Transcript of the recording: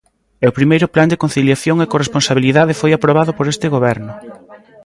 E o primeiro Plan de conciliación e corresponsabilidade foi aprobado por este Goberno.